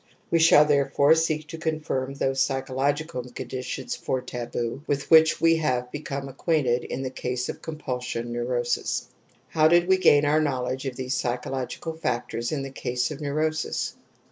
We shall therefore seek "^ to confirm those psychological conditions for taboo with which we have become acquainted in the case of compulsion neurosis. How did we gain our knowledge of these psychological factors in the case of neurosis